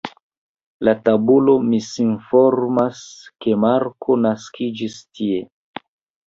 La tabulo misinformas, ke Marko naskiĝis tie.